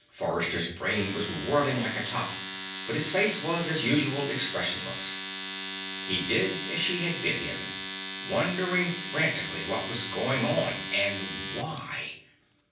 Forrester's brain was whirling like a top, but his face was, as usual, expressionless. He did as she had bid him, wondering frantically what was going on, and why?